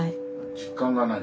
実感がない？